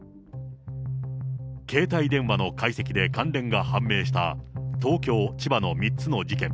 携帯電話の解析で関連が判明した、東京、千葉の３つの事件。